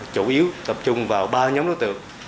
chủ yếu tập trung vào ba nhóm đối tượng